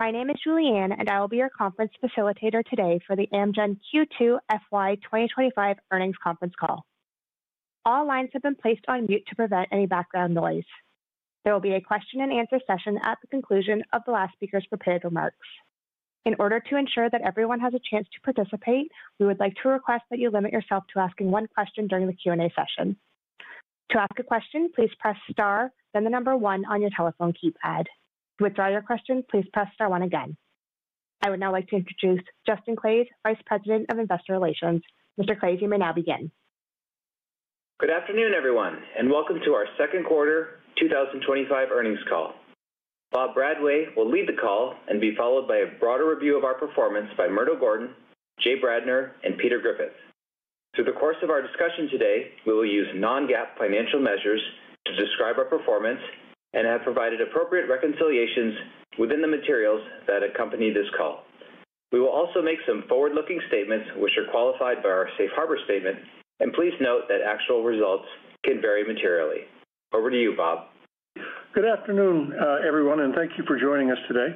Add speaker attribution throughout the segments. Speaker 1: My name is Julianne and I will be your conference facilitator today for the Amgen Q2 FY 2025 Earnings Conference Call. All lines have been placed on mute to prevent any background noise. There will be a question and answer session at the conclusion of the last speaker's prepared remarks. In order to ensure that everyone has a chance to participate, we would like to request that you limit yourself to asking one question during the Q&A session. To ask a question, please press Star, then the number one on your telephone keypad. To withdraw your question, please press Star one again. I would now like to introduce Justin Claeys, Vice President of Investor Relations. Mr. Claeys, you may now begin.
Speaker 2: Good afternoon, everyone, and welcome to our Second Quarter 2025 Earnings Call. Bob Bradway will lead the call be followed by a broader review of our performance by Murdo Gordon, Jay Bradner, and Peter Griffith. Through the course of our discussion today, we will use non-GAAP financial measures to describe our performance and have provided. Appropriate reconciliations within the materials that accompany this call. We will also make some forward-looking statements, which are qualified by our Safe Harbor statement, and please note that actual results can vary materially. Over to you, Bob.
Speaker 3: Good afternoon everyone and thank you for joining us today.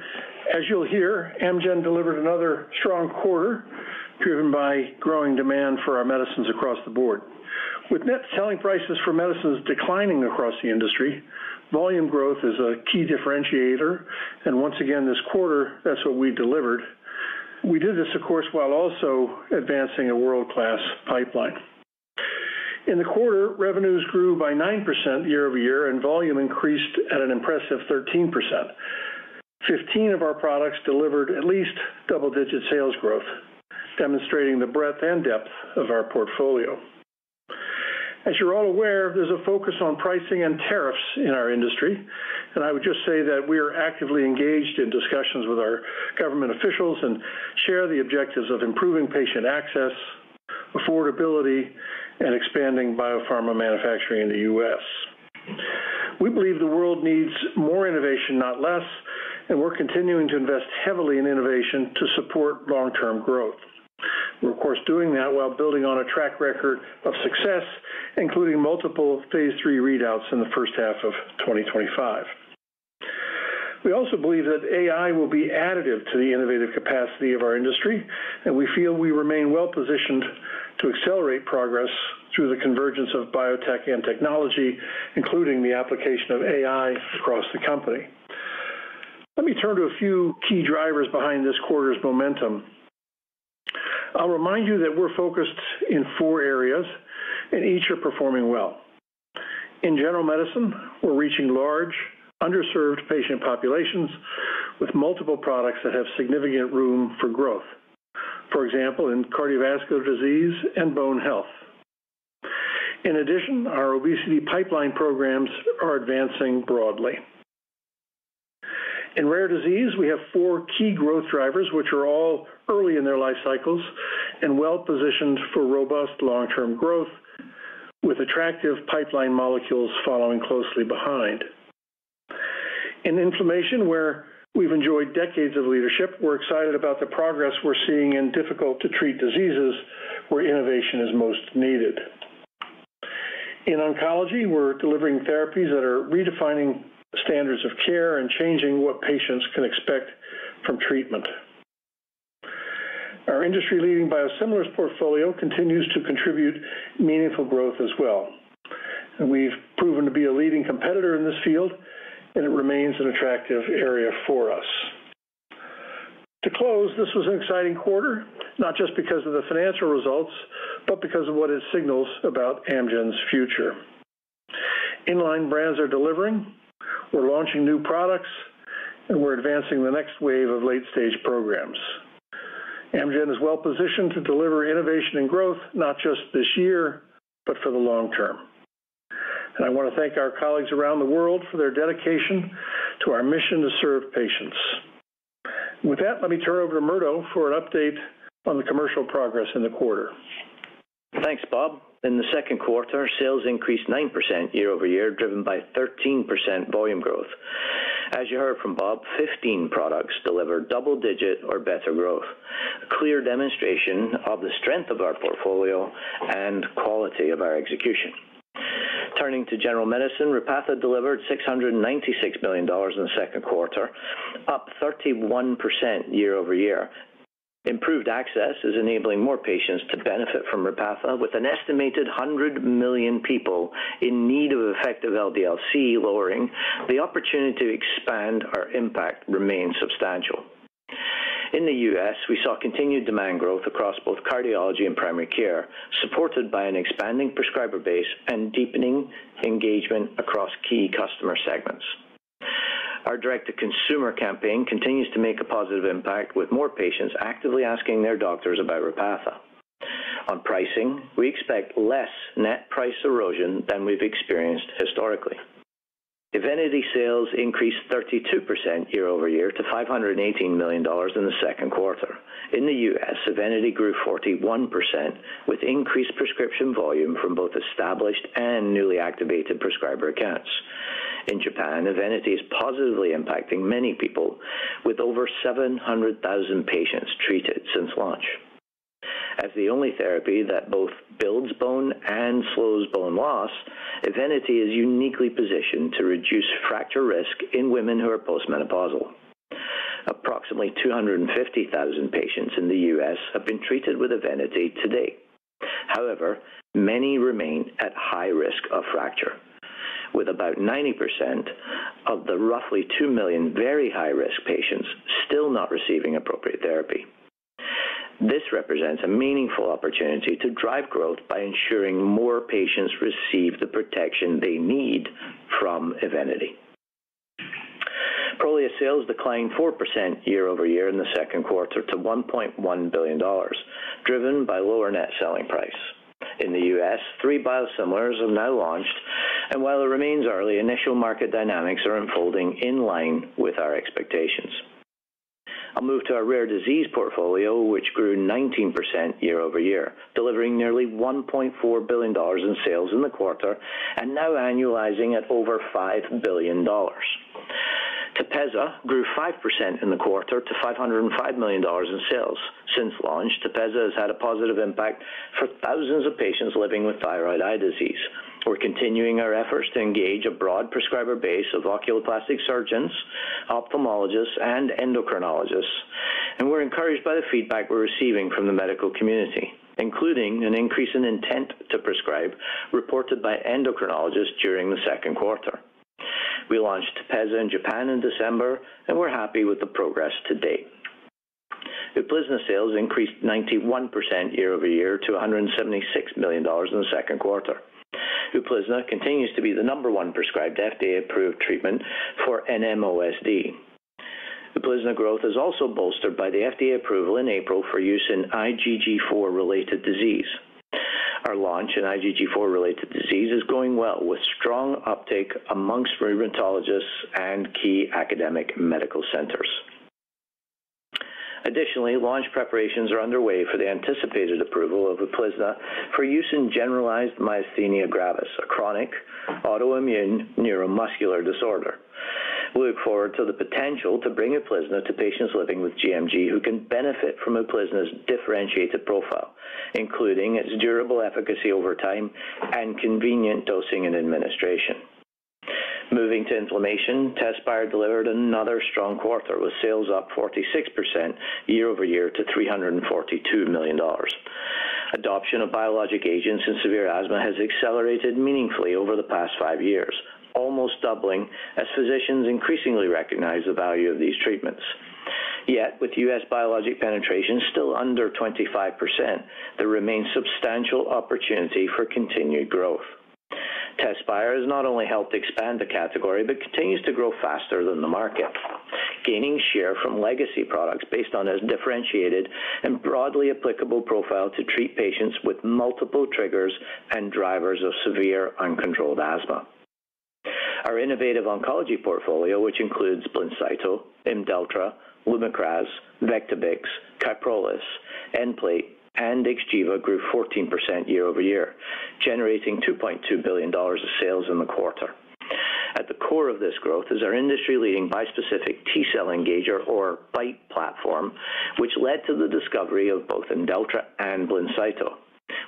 Speaker 3: As you'll hear, Amgen delivered another strong quarter driven by growing demand for our medicines across the board. With net selling prices for medicines declining across the industry, borrowing volume growth is a key differentiator and once again this quarter that's what we delivered. We did this, of course, while also advancing a world-class pipeline. In the quarter, revenues grew by 9% year-over-year and volume increased at an impressive 13%. Fifteen of our products delivered at least double-digit sales growth, demonstrating the breadth and depth of our portfolio. As you're all aware, there's a focus on pricing and tariffs in our industry and I would just say that we are actively engaged in discussions with our government officials and share the objectives of improving patient access, affordability, and expanding biopharma manufacturing in the U.S. We believe the world needs more innovation, not less, and we're continuing to invest heavily in innovation to support long-term growth. We're, of course, doing that while building on a track record of success, including multiple Phase III readouts in the first half of 2025. We also believe that AI will be additive to the innovative capacity of our industry and we feel we remain well positioned to accelerate progress through the convergence of biotech and technology, including the application of AI across the company. Let me turn to a few key drivers behind this quarter's momentum. I'll remind you that we're focused in four areas and each are performing well. In general medicine, we're reaching large underserved patient populations with multiple products that have significant room for growth, for example in cardiovascular disease and bone health. In addition, our obesity pipeline programs are advancing broadly. In rare disease, we have four key growth drivers which are all early in their life cycles and well positioned for robust long-term growth with attractive pipeline molecules following closely behind. In inflammation, where we've enjoyed decades of leadership, we're excited about the progress we're seeing in difficult-to-treat diseases where innovation is most needed. In oncology, we're delivering therapies that are redefining standards of care and changing what patients can expect from treatment. Our industry-leading biosimilars portfolio continues to contribute meaningful growth as well and we've proven to be a leading competitor in this field and it remains an effective area for us to close. This was an exciting quarter, not just because of the financial results, but because of what it signals about Amgen's future. Inline brands are delivering, we're launching new products and we're advancing the next wave of late-stage programs. Amgen is well positioned to deliver innovation and growth not just this year, but for the long term. I want to thank our colleagues around the world for their dedication to our mission to serve patients. With that, let me turn over to Murdo for an update on the commercial progress in the quarter.
Speaker 4: Thanks, Bob. In the second quarter, sales increased 9% year-over-year, driven by 13% volume growth. As you heard from Bob, 15 products delivered double-digit or better growth, a clear demonstration of the strength of our portfolio and quality of our execution. Turning to general medicine, Repatha delivered $696 million in the second quarter, up 31% year-over-year. Improved access is enabling more patients to benefit from Repatha. With an estimated 100 million people in need of effective LDL-C lowering, the opportunity to expand our impact remains substantial. In the U.S., we saw continued demand growth across both cardiology and primary care, supported by an expanding prescriber base and deepening engagement across key customer segments. Our direct-to-consumer campaign continues to make a positive impact, with more patients actively asking their doctors about Repatha. On pricing, we expect less net price erosion than we've experienced historically. Evenity sales increased 32% year-over-year to $518 million in the second quarter. In the U.S., Evenity grew 41% with increased prescription volume from both established and newly activated prescriber accounts. In Japan, Evenity is positively impacting many people, with over 700,000 patients treated since launch. As the only therapy that both builds bone and slows bone loss, Evenity is uniquely positioned to reduce fracture risk in women who are postmenopausal. Approximately 250,000 patients in the U.S. have been treated with Evenity to date. However, many remain at high risk of fracture, with about 90% of the roughly 2 million very high-risk patients still not receiving appropriate therapy. This represents a meaningful opportunity to drive growth by ensuring more patients receive the protection they need from Evenity. Prolius sales declined 4% year-over-year in the second quarter to $1.1 billion, driven by lower net selling price in the U.S. Three biosimilars have now launched, and while it remains early, initial market dynamics are unfolding in line with our expectations. I'll move to our rare disease portfolio, which grew 19% year-over-year, delivering nearly $1.4 billion in sales in the quarter and now annualizing at over $5 billion. Tepezza grew 5% in the quarter to $505 million in sales since launch. Tepezza has had a positive impact for thousands of patients living with thyroid eye disease. We're continuing our efforts to engage a broad prescriber base of oculoplastic surgeons, ophthalmologists, and endocrinologists, encouraged by the feedback we're receiving from the medical community, including an increase in intent to prescribe reported by endocrinologists during the second quarter. We launched Tepezza in Japan in December, and we're happy with the progress to date. Uplizna sales increased 91% year-over-year to $176 million in the second quarter. Uplizna continues to be the number one prescribed FDA approved treatment for NMOSD. Uplizna growth is also bolstered by the FDA approval in April for use in IgG4-related disease. Our launch in IgG4-related disease is going well with strong uptake amongst rheumatologists and key academic medical centers. Additionally, launch preparations are underway for the anticipated approval of Uplizna for use in generalized myasthenia gravis, a chronic autoimmune neuromuscular disorder. We look forward to the potential to bring Uplizna to patients living with GMG who can benefit from Uplizna's differentiated profile, including its durable efficacy over time and convenient dosing and administration. Moving to inflammation, Tezspire delivered another strong quarter with sales up 46% year-over-year to $342 million. Adoption of biologic agents in severe asthma has accelerated meaningfully over the past five years, almost doubling as physicians increasingly recognize the value of these treatments. Yet with U.S. biologic penetration still under 25%, there remains substantial opportunity for continued growth. Tezspire has not only helped expand the category but continues to grow faster than the market, gaining share from legacy products based on a differentiated and broadly applicable profile to treat patients with multiple triggers and drivers of severe uncontrolled asthma. Our innovative oncology portfolio, which includes Blincyto, Imdeltra, Lumakras, Vectibix, Kyprolis, Nplate, and XGEVA, grew 14% year-over-year, generating $2.2 billion of sales in the quarter. At the core of this growth is our industry-leading Bispecific T Cell Engager, or BiTE, platform, which led to the discovery of both Imdeltra and Blincyto.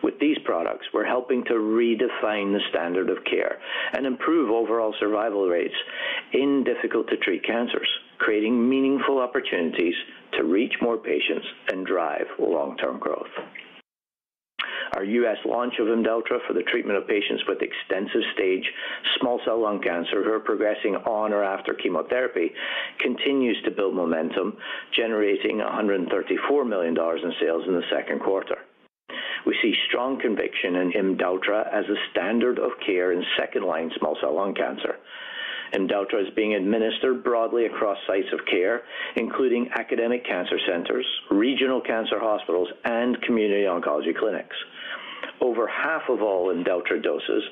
Speaker 4: With these products, we're helping to redefine the standard of care and improve overall survival rates in difficult-to-treat cancers, creating meaningful opportunities to reach more patients and drive long-term growth. Our U.S. launch of Imdeltra for the treatment of patients with extensive-stage small cell lung cancer who are progressing on or after chemotherapy continues to build momentum, generating $134 million in sales in the second quarter. We see strong conviction in Imdeltra as a standard of care in second-line small cell lung cancer. Imdeltra is being administered broadly across sites of care, including academic cancer centers, regional cancer hospitals, and community oncology clinics. Over half of all Imdeltra doses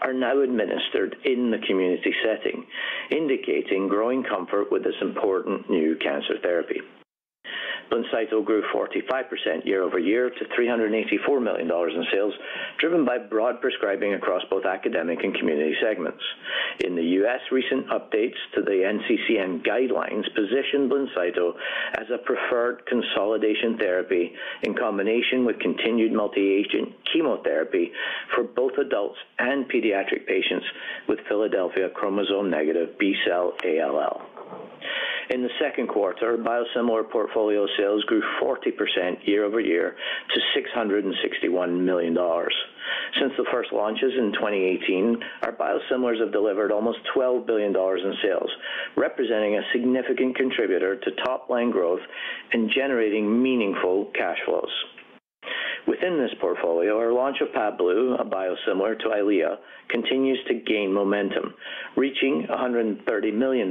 Speaker 4: are now administered in the community setting, indicating growing comfort with this important new cancer therapy. Blincyto grew 45% year-over-year to $384 million in sales, driven by broad prescribing across both academic and community segments in the U.S. Recent updates to the NCCN guidelines position Blincyto as a preferred consolidation therapy in combination with continued multi-agent chemotherapy for both adults and pediatric patients with Philadelphia chromosome-negative B cell ALL in the second quarter. Biosimilar portfolio sales grew 40% year-over-year to $661 million. Since the first launches in 2018, our biosimilars have delivered almost $12 billion in sales, representing a significant contributor to top-line growth and generating meaningful cash flows within this portfolio. Our launch of Pablu, a biosimilar to Eylea, continues to gain momentum, reaching $130 million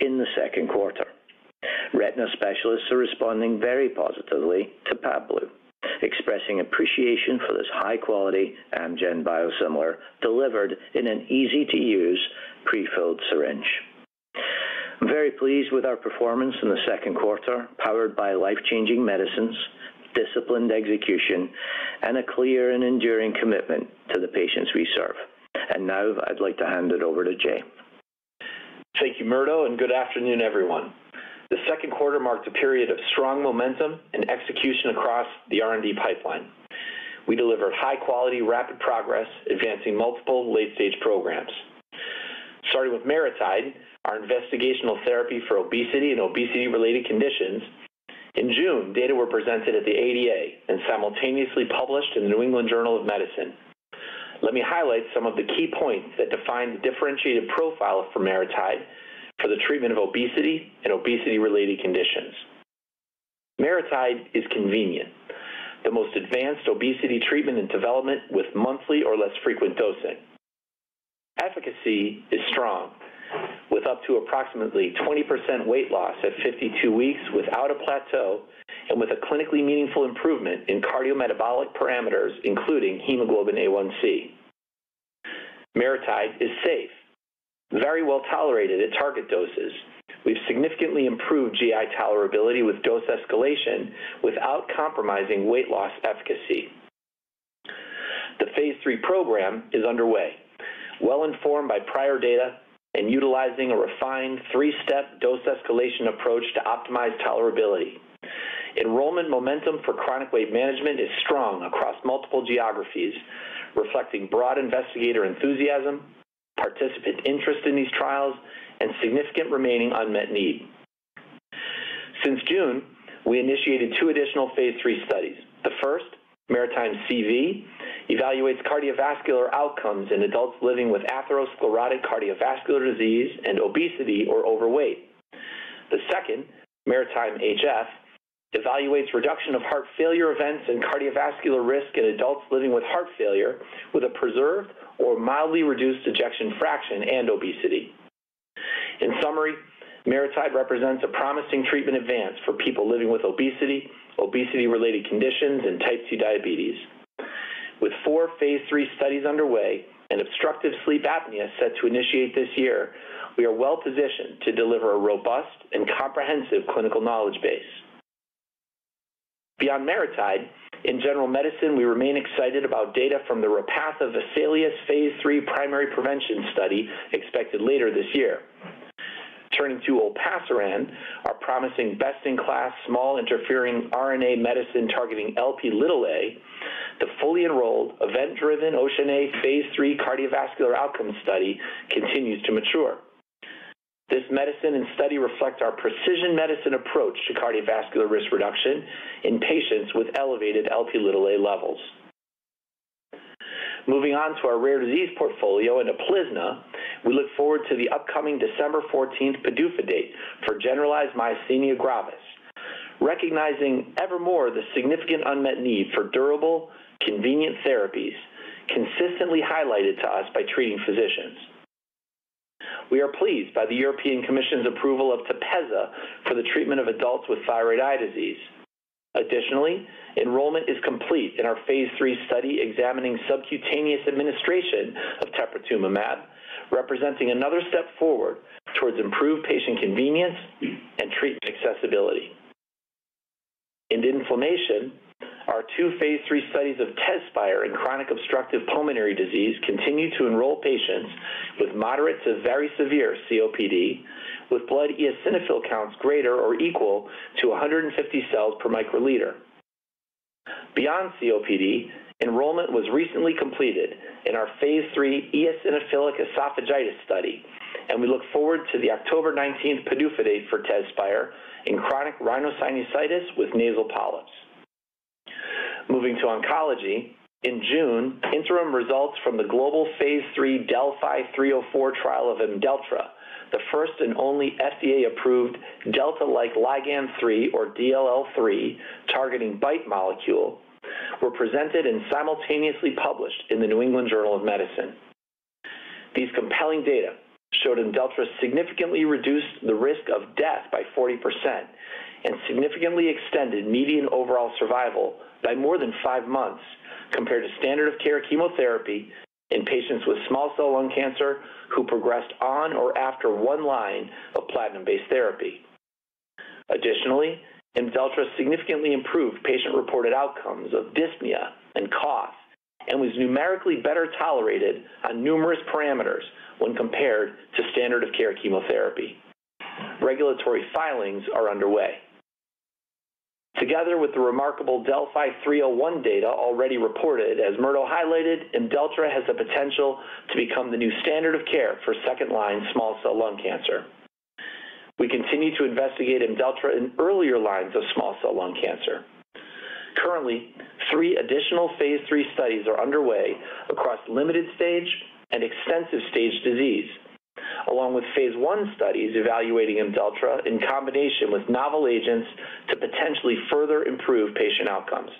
Speaker 4: in the second quarter. Retina specialists are responding very positively to Pablu, expressing appreciation for this high-quality Amgen biosimilar delivered in an easy-to-use prefilled syringe. I'm very pleased with our performance in the second quarter, powered by life-changing medicines, disciplined execution, and a clear and enduring commitment to the patients we serve. Now I'd like to hand it over to Jay.
Speaker 5: Thank you, Murdo, and good afternoon, everyone. The second quarter marked a period of strong momentum and execution across the R&D pipeline. We delivered high-quality, rapid progress advancing multiple late-stage programs, starting with MariTide, our investigational therapy for obesity and obesity-related conditions. In June, data were presented at the ADA and simultaneously published in the New England Journal of Medicine. Let me highlight some of the key points that define the differentiated profile of MariTide for the treatment of obesity and obesity-related conditions. MariTide is convenient, the most advanced obesity treatment in development with monthly or less frequent dosing. Efficacy is strong, with up to approximately 20% weight loss at 52 weeks without a plateau and with a clinically meaningful improvement in cardiometabolic parameters, including hemoglobin A1C. MariTide is safe, very well tolerated at target doses. We've significantly improved GI tolerability with dose escalation without compromising weight loss efficacy. The Phase III program is underway, well informed by prior data and utilizing a refined three-step dose escalation approach to optimize tolerability. Enrollment momentum for chronic weight management is strong across multiple geographies, reflecting broad investigator enthusiasm, participant interest in these trials, and significant remaining unmet need. Since June, we initiated two additional Phase III studies. The first, MariTide CV, evaluates cardiovascular outcomes in adults living with atherosclerotic cardiovascular disease and obesity or overweight. The second, MariTide HF, evaluates reduction of heart failure events and cardiovascular risk in adults living with heart failure with a preserved or mildly reduced ejection fraction and obesity. In summary, MariTide represents a promising treatment advance for people living with obesity, obesity-related conditions, and type 2 diabetes. With four Phase III studies underway and obstructive sleep apnea set to initiate this year, we are well positioned to deliver a robust and comprehensive clinical knowledge base beyond MariTide in general medicine. We remain excited about data from the Repatha Vesalius Phase III primary prevention study expected later this year. Turning to Opathiran, our promising best-in-class small interfering RNA medicine targeting LP(a), the fully enrolled event-driven OCEAN(a) Phase III cardiovascular outcomes study continues to mature. This medicine and study reflect our precision medicine approach to cardiovascular risk reduction in patients with elevated LP(a) levels. Moving on to our rare disease portfolio, in Uplizna, we look forward to the upcoming December 14 PDUFA date for generalized myasthenia gravis, recognizing evermore the significant unmet need for durable, convenient therapies consistently highlighted to us by treating physicians. We are pleased by the European Commission's approval of Tepezza for the treatment of adults with thyroid eye disease. Additionally, enrollment is complete in our Phase III study examining subcutaneous administration of teprotumumab, representing another step forward towards improved patient convenience and treatment accessibility in inflammation. Our two Phase III studies of Tezspire in chronic obstructive pulmonary disease continue to enroll patients with moderate to very severe COPD with blood eosinophil counts greater or equal to 150 cells per microliter. Beyond COPD, enrollment was recently completed in our Phase III eosinophilic esophagitis study, and we look forward to the October 19 PDUFA date for Tezspire in chronic rhinosinusitis with nasal polyps. Moving to oncology, in June, interim results from the global Phase III DELPHI-304 trial of Imdeltra, the first and only FDA-approved delta-like ligand 3, or DLL3, targeting BiTE molecule, were presented and simultaneously published in the New England Journal of Medicine. These compelling data showed Imdeltra significantly reduced the risk of death by 40% and significantly extended median overall survival by more than five months compared to standard of care chemotherapy in patients with small cell lung cancer who progressed on or after one line of platinum-based therapy. Additionally, Imdeltra significantly improved patient-reported outcomes of dyspnea and cough and was numerically better tolerated on numerous parameters when compared to standard of care chemotherapy. Regulatory filings are underway together with the remarkable DELPHI-301 data already reported. As Murdo Gordon highlighted, Imdeltra has the potential to become the new standard of care for second-line small cell lung cancer. We continue to investigate Imdeltra in earlier lines of small cell lung cancer. Currently, three additional Phase III studies are underway across limited-stage and extensive-stage disease, along with Phase 1 studies evaluating Imdeltra in combination with novel agents to potentially further improve patient outcomes.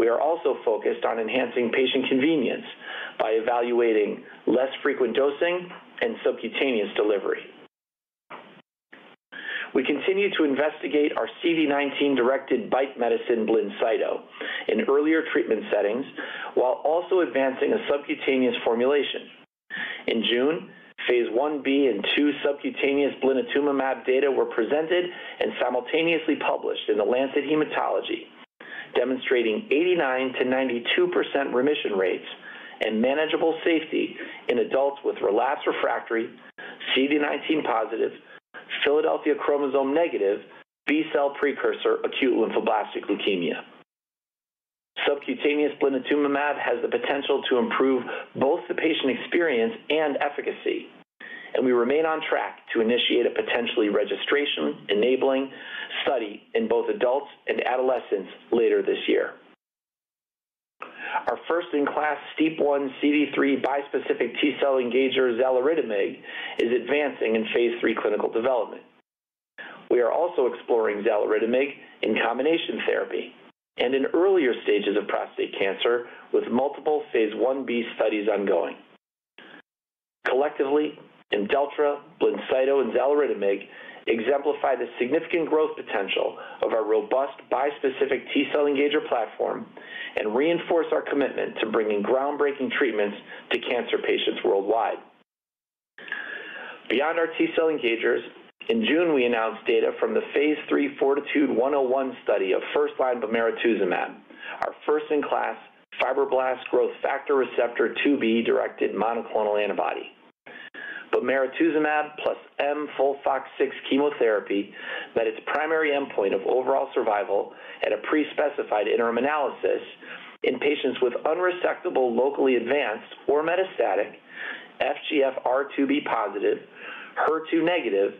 Speaker 5: We are also focused on enhancing patient convenience by evaluating less frequent dosing and subcutaneous delivery. We continue to investigate our CD19-directed BiTE medicine Blincyto in earlier treatment settings while also advancing a subcutaneous formulation. In June, Phase 1b and 2 subcutaneous blinatumomab data were presented and simultaneously published in The Lancet Hematology, demonstrating 89% to 92% remission rates and manageable safety in adults with relapsed refractory CD19-positive, Philadelphia chromosome-negative B cell precursor acute lymphoblastic leukemia. Subcutaneous blinatumomab has the potential to improve both the patient experience and efficacy, and we remain on track to initiate a potentially registration-enabling study in both adults and adolescents later this year. Our first-in-class STEAP1 CD3 bispecific T cell engager, zaliridamig, is advancing in Phase III clinical development. We are also exploring zaliridamig in combination therapy and in earlier stages of prostate cancer, with multiple Phase 1b studies ongoing. Collectively, Imdeltra, blinatumomab, and zaliridamig exemplify the significant growth potential of our robust bispecific T cell engager platform and reinforce our commitment to bringing groundbreaking treatments to cancer patients worldwide. Beyond our T cell engagers, in June we announced data from the Phase III FORTITUDE-101 study of first-line bimekizumab. Our first-in-class fibroblast growth factor receptor 2b-directed monoclonal antibody, bimekizumab plus mFOLFOX6 chemotherapy, met its primary endpoint of overall survival at a pre-specified interim analysis in patients with unresectable, locally advanced, or metastatic FGFR2b-positive, HER2-negative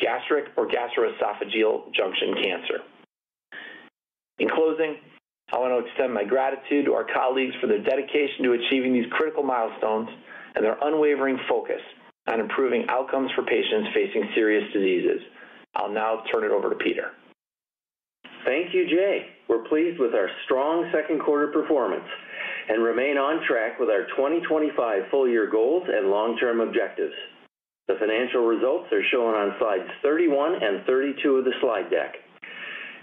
Speaker 5: gastric or gastroesophageal junction cancer. In closing, I want to extend my gratitude to our colleagues for their dedication to achieving these critical milestones and their unwavering focus on improving outcomes for patients facing serious diseases. I'll now turn it over to Peter.
Speaker 6: Thank you, Jay. We're pleased with our strong second quarter performance and remain on track with our 2025 full year goals and long term objectives. The financial results are shown on slides 31 and 32 of the slide deck.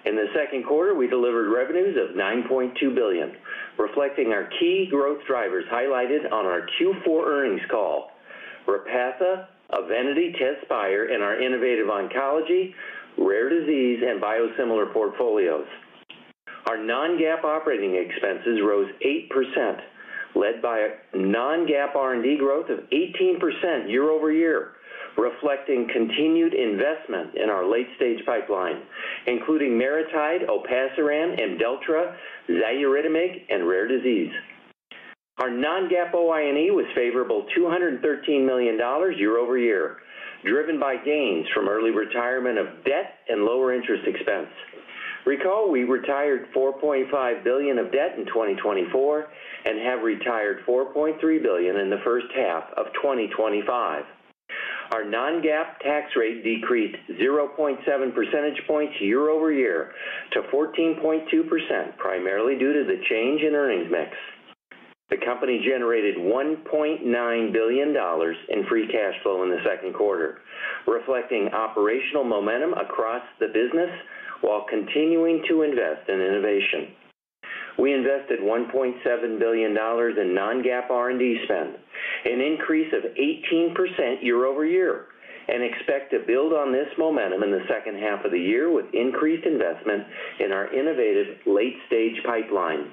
Speaker 6: In the second quarter, we delivered revenues of $9.2 billion, reflecting our key growth drivers highlighted on our Q4 earnings call. Repatha, Evenity, Tepezza, and Uplizna in our innovative oncology, rare disease, and biosimilar portfolios. Our non-GAAP operating expenses rose 8%, led by a non-GAAP R&D growth of 18% year-over-year, reflecting continued investment in our late stage pipeline including MariTide, Opathiran, Imdeltra, Zairidomic, and rare disease. Our non-GAAP OI&E was favorable $213 million year-over-year, driven by gains from early retirement of debt and lower interest expense. Recall, we retired $4.5 billion of debt in 2024 and have retired $4.3 billion in the first half of 2025. Our non-GAAP tax rate decreased 0.7% year-over-year to 14.2%, primarily due to the change in earnings mix. The company generated $1.9 billion in free cash flow in the second quarter, reflecting operational momentum across the business while continuing to invest in innovation. We invested $1.7 billion in non-GAAP R&D spend, an increase of 18%, and expect to build on this momentum in the second half of the year. With increased investment in our innovative late stage pipeline,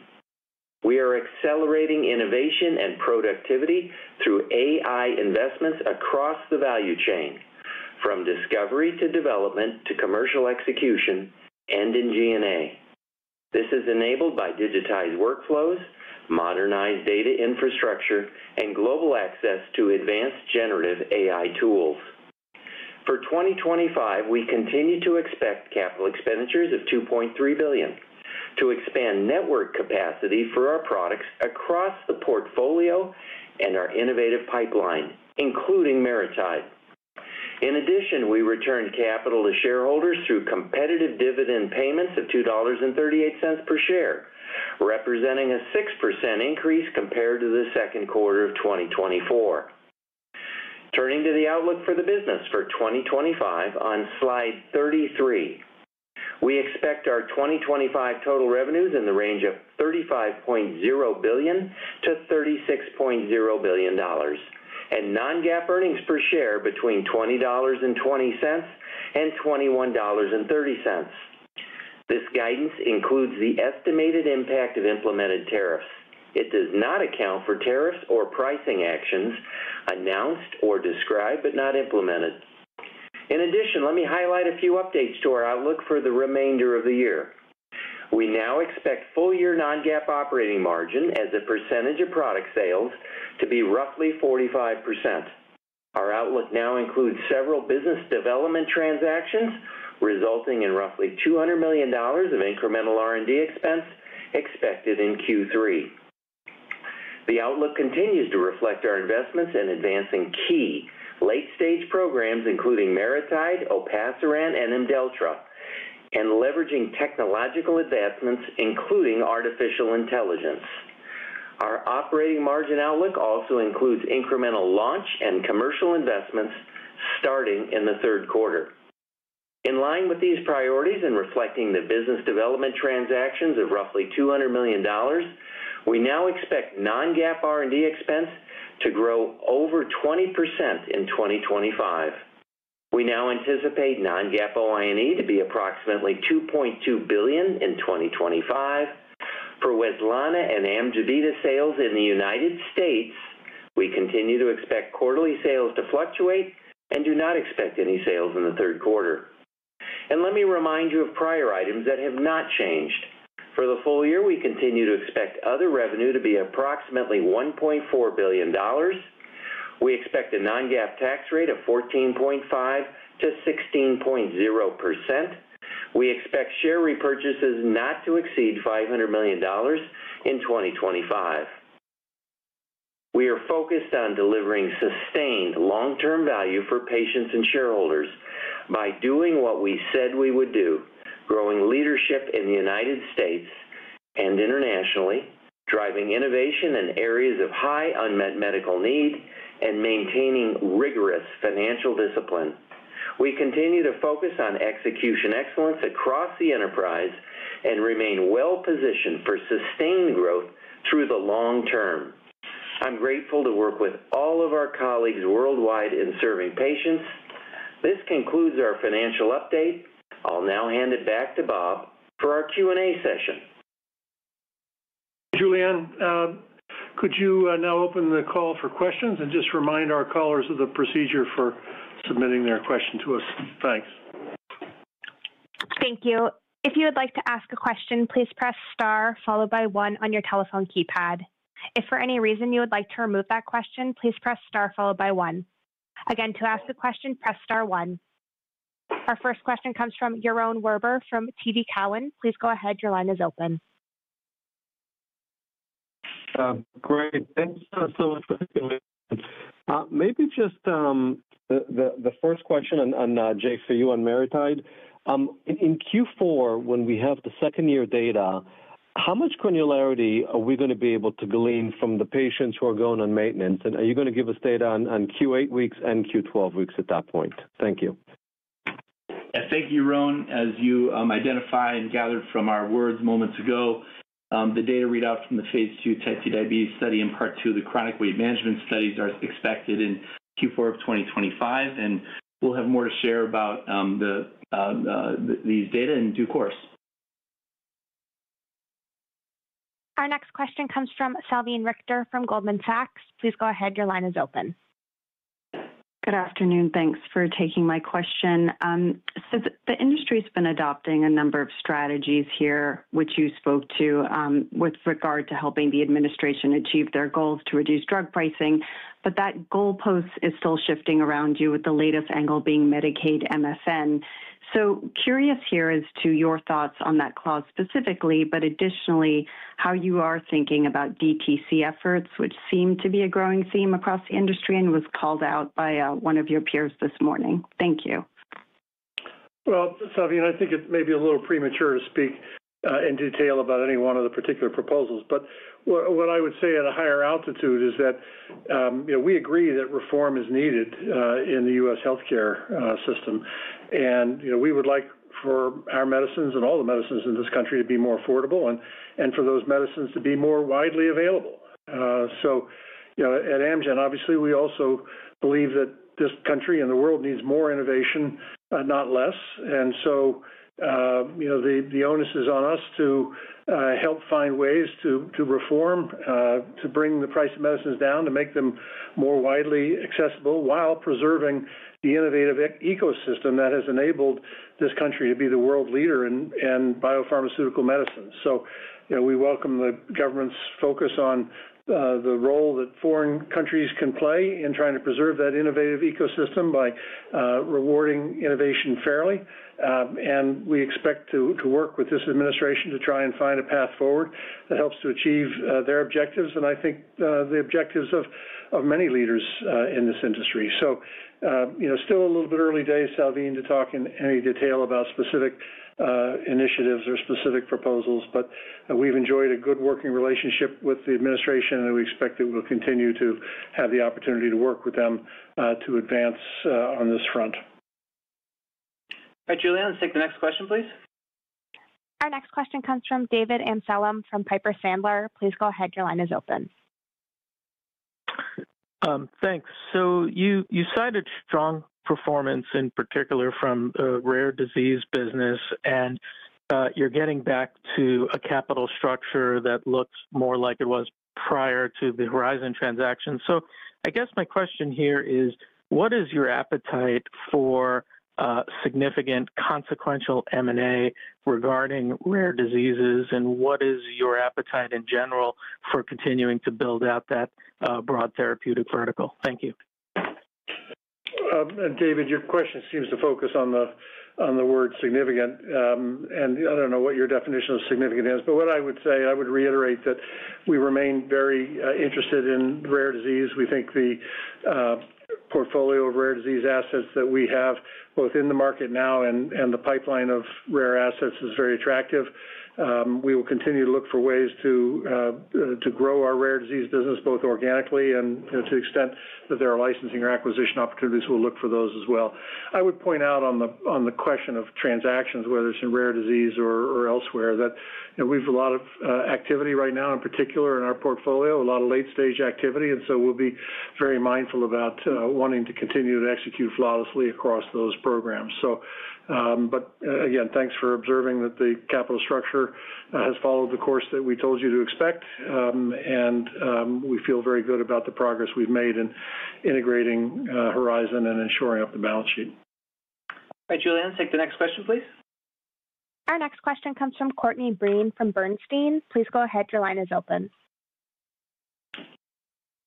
Speaker 6: we are accelerating innovation and productivity through AI investments across the value chain from discovery to development to commercial execution and in G&A. This is enabled by digitized workflows, modernized data infrastructure, and global access to advanced generative AI tools. For 2025, we continue to expect capital expenditures of $2.3 billion to expand network capacity for our products across the portfolio and our innovative pipeline including MariTide. In addition, we returned capital to shareholders through competitive dividend payments of $2.38 per share, representing a 6% increase compared to the second quarter of 2024. Turning to the outlook for the business. For 2025 on Slide 33, we expect our 2025 total revenues in the range of $35.0 billion to $36.0 billion and non-GAAP earnings per share between $20.20 and $21.30. This guidance includes the estimated impact of implemented tariffs. It does not account for tariffs or pricing actions announced or described but not implemented. In addition, let me highlight a few updates to our outlook for the remainder of the year. We now expect full year non-GAAP operating margin as a percentage of product sales to be roughly 45%. Our outlook now includes several business development transactions resulting in roughly $200 million of incremental R&D expense expected in Q3. The outlook continues to reflect our investments in advancing key late-stage programs including MariTide, Opathiran, and Imdeltra, and leveraging technological advancements including artificial intelligence. Our operating margin outlook also includes incremental launch and commercial investments starting in the third quarter. In line with these priorities and reflecting the business development transactions of roughly $200 million, we now expect non-GAAP R&D expense to grow over 20% in 2025. We now anticipate non-GAAP O, I and E to be approximately $2.2 billion in 2025. For Wetlana and Amjevita sales in the U.S., we continue to expect quarterly sales to fluctuate and do not expect any sales in the third quarter. Let me remind you of prior items that have not changed for the full year. We continue to expect other revenue to be approximately $1.4 billion. We expect a non-GAAP tax rate of 14.5%-16.0%. We expect share repurchases not to exceed $500 million in 2025. We are focused on delivering sustained long-term value for patients and shareholders by doing what we said we would do, growing leadership in the U.S. and internationally, driving innovation in areas of high unmet medical need and maintaining rigorous financial discipline. We continue to focus on execution excellence across the enterprise and remain well positioned for sustained growth through the long term. I'm grateful to work with all of our colleagues worldwide in serving patients. This concludes our financial update. I'll now hand it back to Bob for our Q&A session.
Speaker 3: Julianne, could you now open the call for questions and just remind our callers of the procedure for submitting their question to us? Thanks.
Speaker 1: Thank you. If you would like to ask a question, please press STAR followed by one on your telephone keypad. If for any reason you would like to remove that question, please press STAR followed by one again. To ask the question, press STAR one. Our first question comes from Yaron Werber from TD Cowen. Please go ahead. Your line is open.
Speaker 7: Great. Thanks so much for maybe just the first question on Jay for you. On MariTide in Q4 when we have the second year data, how much granularity are we going to be able to glean from the patients who are going on maintenance? Are you going to give U.S. Data on Q8 weeks and Q12 weeks at that point? Thank you.
Speaker 5: Thank you. Yaron, as you identify and gathered from our words moments ago, the data readout from the Phase II type 2 diabetes study and part 2, the chronic weight management studies are expected in Q4 of 2025, and we'll have more to share about these data in due course.
Speaker 1: Our next question comes from Salveen Richter from Goldman Sachs. Please go ahead. Your line is open.
Speaker 8: Good afternoon. Thanks for taking my question. The industry's been adopting a number of strategies here, which you spoke to with regard to helping the administration achieve their goals to reduce drug pricing. That goal post is still shifting around you with the latest angle being Medicaid MSN. I'm curious here as to your thoughts on that clause specifically, but additionally how you are thinking about DTC efforts, which seem to be a growing theme across the industry and was called out by one of your thank you.
Speaker 3: Salveen, I think it may be a little premature to speak in detail about any one of the particular proposals, but what I would say at a higher altitude is that we agree that reform is needed in the U.S. healthcare system. We would like for our medicines and all the medicines in this country to be more affordable and for those medicines to be more widely available. At Amgen, obviously we also believe that this country and the world need more innovation, not less. The onus is on us to help find ways to reform, to bring the price of medicines down, to make them more widely accessible, while preserving the innovative ecosystem that has enabled this country to be the world leader in biopharmaceutical medicine. We welcome the government's focus on the role that foreign countries can play in trying to preserve that innovative ecosystem by rewarding innovation fairly. We expect to work with this administration to try and find a path forward that helps to achieve their objectives and I think the objectives of many leaders in this industry. It is still a little bit early days, Salveen, to talk in any detail about specific initiatives or specific proposals, but we've enjoyed a good working relationship with the administration and we expect that we'll continue to have the opportunity to work with them to advance on this front.
Speaker 2: All right, Julianne, let's take the next question, please.
Speaker 1: Our next question comes from David Amsellem from Piper Sandler. Please go ahead. Your line is open.
Speaker 9: Thanks. You cited strong performance in particular from rare disease business, and you're getting back to a capital structure that looks more like it was prior to the Horizon transaction. I guess my question here is what is your appetite for significant, consequential M&A regarding rare diseases, and what is your appetite in general for continuing to build out that broad therapeutic vertical? Thank you.
Speaker 3: David, your question seems to focus on the word significant. I don't know what your definition of significant is, but what I would say, I would reiterate that we remain very interested in rare disease. We think the portfolio of rare disease assets that we have both in the market now and the pipeline of rare assets is very attractive. We will continue to look for ways to grow our rare disease business both organically and to the extent that there are licensing or acquisition opportunities, we'll look for those as well. I would point out on the question of transactions, whether it's in rare disease or elsewhere, that we have a lot of activity right now, in particular in our portfolio, a lot of late-stage activity. We will be very mindful about wanting to continue to execute flawlessly across those programs. Again, thanks for observing that the capital structure has followed the course that we told you to expect and we feel very good about the progress we've made in integrating Horizon and insuring up the balance sheet.
Speaker 2: All right, Julianne, take the next question, please.
Speaker 1: Our next question comes from Courtney Breen from Bernstein. Please go ahead. Your line is open.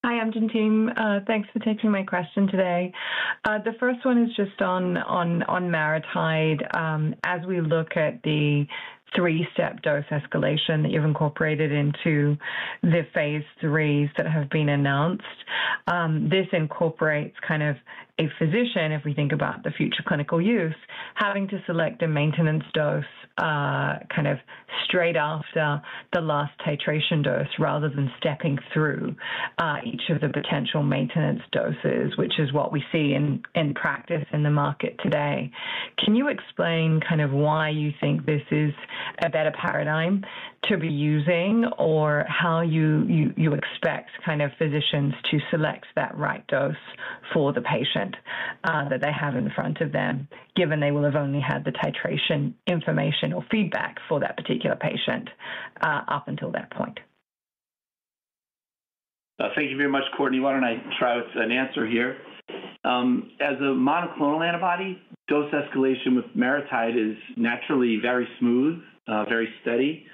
Speaker 10: Hi Amgen team, thanks for taking my question today. The first one is just on MariTide. As we look at the three-step dose escalation that you've incorporated into the Phase IIIs that have been announced, this incorporates kind of a physician, if we think about the future clinical use, having to select a maintenance dose kind of straight after the last titration dose, rather than stepping through each of the potential maintenance doses, which is what we see in practice in the market today. Can you explain kind of why you think this is a better paradigm to be using or how you expect kind of physicians to select that right dose for the patient that they have in front of them, given they will have only had the titration information or feedback for that particular patient up until that point.
Speaker 5: Thank you very much, Courtney. Why don't I try out an answer here? As a monoclonal antibody dose, escalation with MariTide is naturally very smooth, very steady.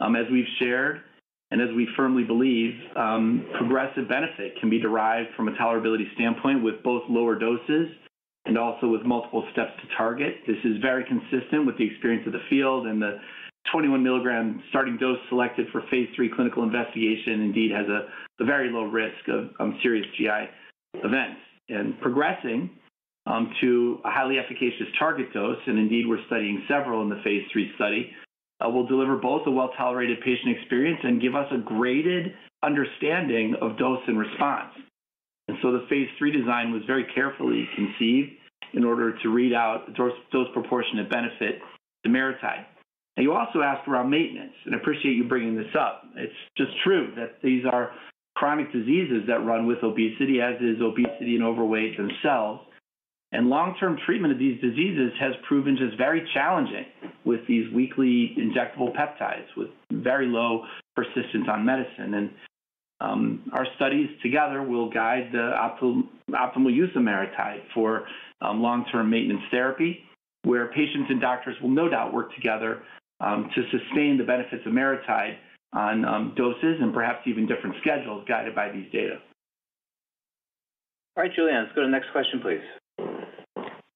Speaker 5: As we've shared and as we firmly believe, progressive benefit can be derived from a tolerability standpoint with both lower doses and also with multiple steps to target. This is very consistent with the experience of the field, and the 21 mg starting dose selected for Phase III clinical investigation indeed has the very low risk of serious GI events and progressing to a highly efficacious target dose. We're studying several in the Phase III study, which will deliver both a well-tolerated patient experience and give us a graded understanding of dose and response. The Phase III design was very carefully conceived in order to read out dose proportionate benefit to MariTide. You also asked around maintenance, and appreciate you bringing this up, but it's just true that these are chronic diseases that run with obesity, as is obesity and overweight themselves. Long-term treatment of these diseases has proven just very challenging with these weekly injectable peptides with very low persistence on medicine. Our studies together will guide the optimal use of MariTide for long-term maintenance therapy, where patients and doctors will no doubt work together to sustain the benefits of MariTide on doses and perhaps even different schedules guided by these data.
Speaker 2: All right, Julianne, let's go to the next question please.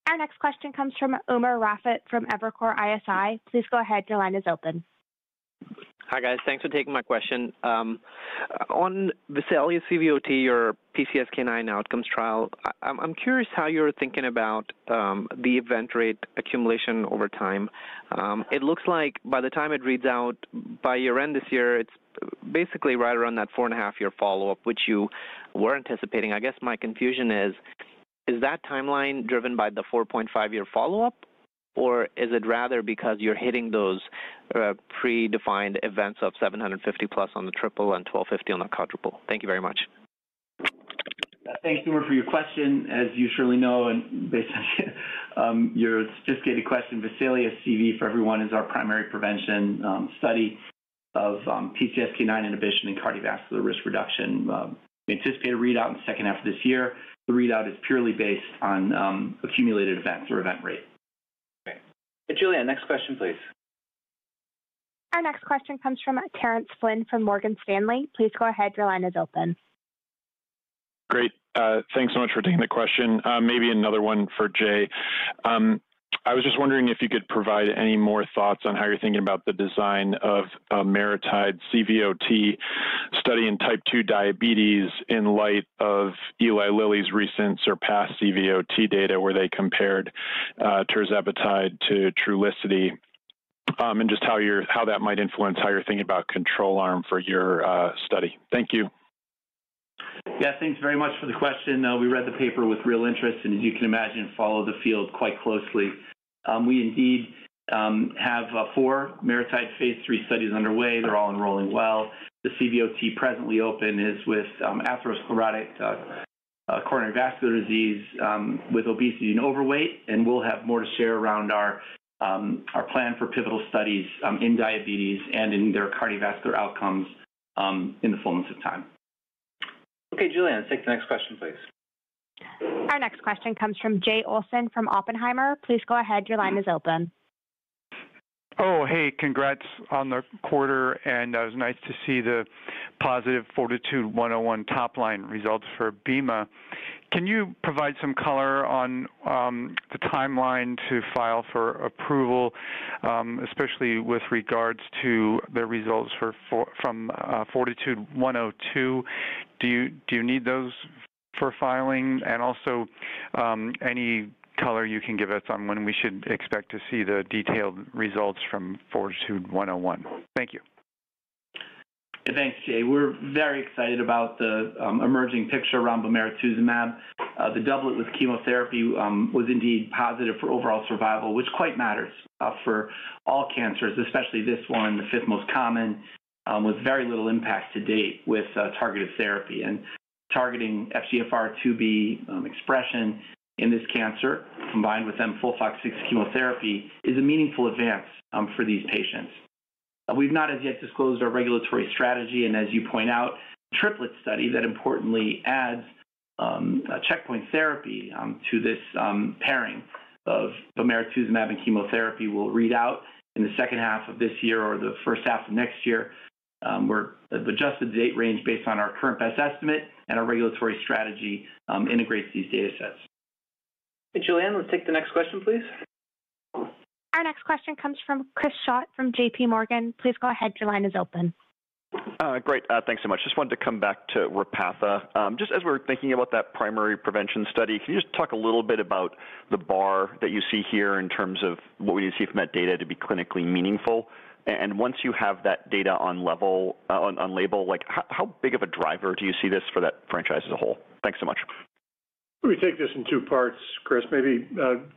Speaker 1: Our next question comes from Umar Rafat from Evercore ISI. Please go ahead. Your line is open.
Speaker 11: Hi, thanks for taking my question. On Vesalius CVOT or PCSK9 outcomes trial, I'm curious how you're thinking about the event rate accumulation over time. It looks like by the time it reads out by year end this year. It's basically right around that four and a half year follow-up which you were anticipating. I guess my confusion is, is that timeline driven by the 4.5 year follow-up or is it rather because you're hitting those predefined events of 750+ on the triple and 1,250 on the quadruple? Thank you very much.
Speaker 5: Thanks, Umar, for your question. As you surely know and based on your sophisticated question, Vesalius CV for everyone is our primary prevention study of PCSK9 inhibition and cardiovascular risk reduction. We anticipate a readout in the second half of this year. The readout is purely based on accumulated events or event rate.
Speaker 2: Julianne, next question please.
Speaker 1: Our next question comes from Terrance Flynn from Morgan Stanley. Please go ahead. Your line is open.
Speaker 12: Great. Thanks so much for taking the question. Maybe another one for Jay. I was just wondering if you could. Provide any more thoughts on how you're thinking about the design of a MariTide study in type 2 diabetes in light of Eli Lilly's recent surpassed CVOT data where they compared tirzepatide to Trulicity. Just how that might influence how you're thinking about control arm for your study. Thank you.
Speaker 5: Yeah, thanks very much for the question. We read the paper with real interest, and as you can imagine, follow the field quite closely. We indeed have four MariTide Phase III studies underway. They're all enrolling well. The CVOT presently open is with atherosclerotic coronary vascular disease with obesity and overweight. We'll have more to share around our plan for pivotal studies in diabetes and in their cardiovascular outcomes in the fullness of time.
Speaker 2: Okay, Julian, take the next question please.
Speaker 1: Our next question comes from Jay Olson from Oppenheimer. Please go ahead. Your line is open.
Speaker 13: Oh, hey, congrats on the quarter. It was nice to see the positive FORTITUDE-101 top-line results for bemarituzumab. Can you provide some color on the timeline to file for approval, especially with regards to the results from Fortitude 102? Do you need those for filing? Also, any color you can give us on when we should expect to see the detailed results from Fortitude 101? Thank you.
Speaker 5: Thanks, Jay. We're very excited about the emerging picture. Rhombomerituzumab, the doublet with chemotherapy, was indeed positive for overall survival, which quite matters for all cancers, especially this one, the fifth most common with very little impact to date with targeted therapy. Targeting FGFR2B expression in this cancer combined with mFOLFOX6 chemotherapy is a meaningful advance for these patients. We've not as yet disclosed our regulatory strategy. As you point out, the triplet study that importantly adds checkpoint therapy to this pairing of omeratuzumab and chemotherapy will read out in the second half of this year or the first half of next year, adjusted the date range based on our current best estimate, and our regulatory strategy integrates these data sets.
Speaker 2: Julianne, let's take the next question, please.
Speaker 1: Our next question comes from Chris Schott from JPMorgan. Please go ahead. Your line is open.
Speaker 14: Great, thanks so much. Just wanted to come back to Repatha just as we were thinking about that primary prevention study. Can you talk a little bit about the bar that you see here in terms of what we see from that data to be clinically meaningful? Once you have that data on label, how big of a driver do you see this for that franchise as a whole? Thanks so much.
Speaker 3: We take this in two parts. Chris, maybe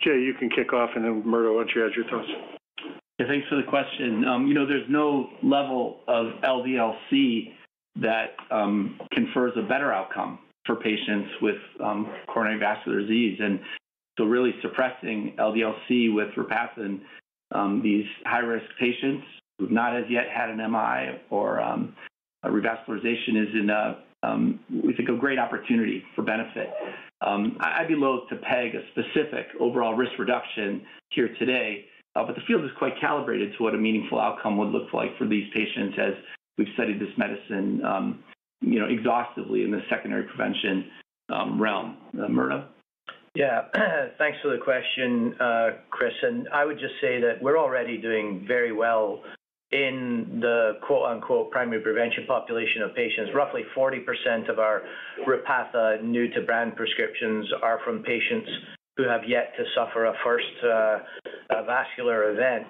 Speaker 3: Jay, you can kick off, and then Murdo, why don't you add your thoughts.
Speaker 5: Thanks for the question. You know, there's no level of LDL C that confers a better outcome for patients with coronary vascular disease. Really suppressing LDL C with Repatha in these high risk patients who've not as yet had an MI or revascularization is, we think, a great opportunity for benefit. I'd be loath to peg a specific overall risk reduction here today, but the field is quite calibrated to what a meaningful outcome would look like for these patients as we've studied this medicine exhaustively in the secondary prevention realm. Murdo?
Speaker 4: Yeah, thanks for the question, Chris. I would just say that we're already doing very well in the "primary prevention" population of patients. Roughly 40% of our Repatha new to brand prescriptions are from patients who have yet to suffer a first vascular event,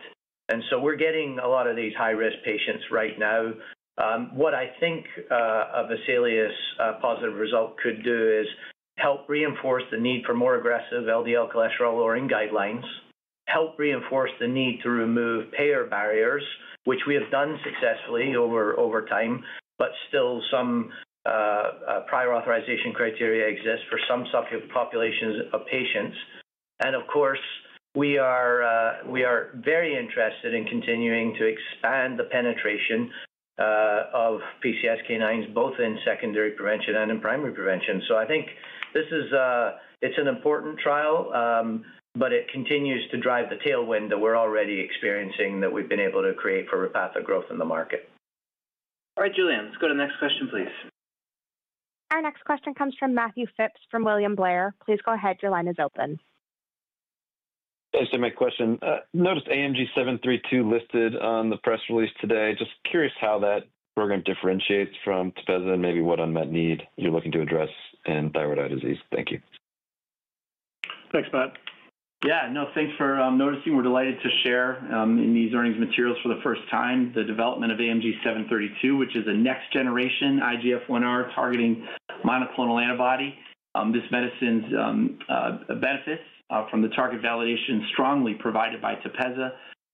Speaker 4: and we're getting a lot of these high risk patients right now. What I think a Vesalius positive result could do is help reinforce the need for more aggressive LDL cholesterol lowering guidelines, help reinforce the need to remove payer barriers, which we have done successfully over time. Still, some prior authorization criteria exist for some soft populations of patients. Of course, we are very interested in continuing to expand the penetration of PCSK9s both in secondary prevention and in primary prevention. I think this is an important trial, and it continues to drive the tailwind that we're already experiencing, that we've been able to create for Repatha growth in the market.
Speaker 2: All right, Julianne, let's go to the next question, please.
Speaker 1: Our next question comes from Matthew Phipps from William Blair. Please go ahead. Your line is open.
Speaker 15: Thanks, for answering my question, noticed AMG 732 listed on the press release today. Just curious how that program differentiates from Tepezza and maybe what unmet need you're. Looking to address in thyroid eye disease. Thank you.
Speaker 3: Thanks, Matt.
Speaker 5: Yeah, no, thanks for noticing. We're delighted to share in these earnings materials for the first time the development of AMG 732, which is a next-generation IGF1R targeting monoclonal antibody. This medicine benefits from the target validation strongly provided by Tepezza